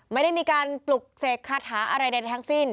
ไม่ได้มีการปล่บเสกคัทหาอะไรในแถ่งสิ้น